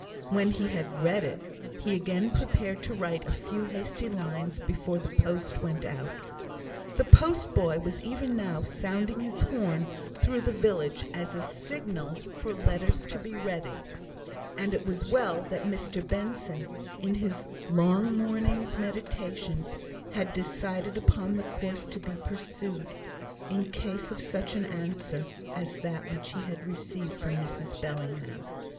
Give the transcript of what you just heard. When he had read it, he again prepared to write a few hasty lines before the post went out. The post boy was even now sounding his horn through the village as a signal for letters to be ready; and it was well that Mr Benson, in his long morning's meditation, had decided upon the course to be pursued, in case of such an answer as that which he had received from Mrs Bellingham.